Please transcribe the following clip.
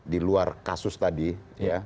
di luar kasus tadi ya